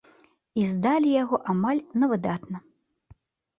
І здалі яго амаль на выдатна.